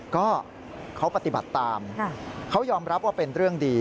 ก็เขาปฏิบัติตามเขายอมรับว่าเป็นเรื่องดี